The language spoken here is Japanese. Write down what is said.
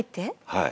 はい？